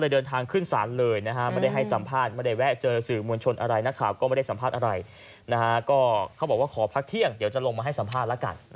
เดี๋ยวว่าขอพักเที่ยงเดี๋ยวจะลงมาให้สัมภาษณ์แล้วกัน